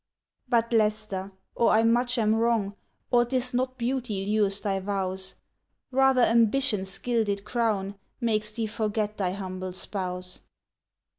"But, Leicester, (or I much am wrong,) Or 't is not beauty lures thy vows; Rather ambition's gilded crown Makes thee forget thy humble spouse.